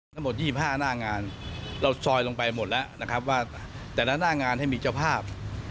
ทั้งหมด๒๕หน้างานเราซอยลงไปหมดแล้วนะครับว่าแต่ละหน้างานให้มีเจ้าภาพ